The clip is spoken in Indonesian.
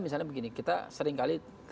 misalnya begini kita seringkali